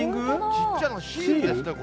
ちっちゃなシールですね。